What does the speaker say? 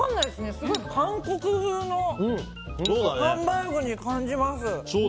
すごい韓国風のハンバーグに感じます。